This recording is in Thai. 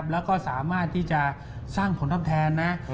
แล้วก็สามารถที่จะสร้างผลตอบแทนนะ